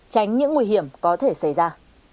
tránh những nguy hiểm có thể xảy ra